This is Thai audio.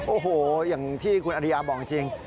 โอ้โหอย่างที่คุณอริยาบอกจริง